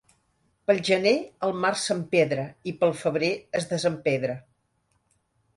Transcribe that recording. Pel gener el mar s'empedra i pel febrer es desempedra.